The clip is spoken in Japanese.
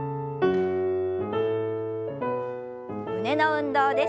胸の運動です。